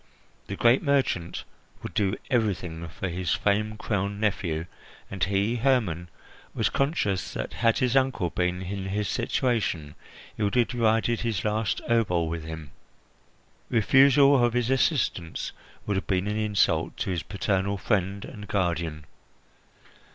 The great merchant would do everything for his fame crowned nephew, and he, Hermon, was conscious that had his uncle been in his situation he would have divided his last obol with him. Refusal of his assistance would have been an insult to his paternal friend and guardian.